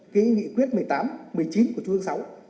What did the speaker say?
cái nghị quyết một mươi tám một mươi chín của trung ương sáu